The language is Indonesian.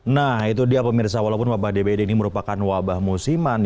nah itu dia pemirsa walaupun wabah dbd ini merupakan wabah musiman